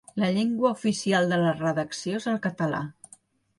La llengua oficial de la Redacció és el català.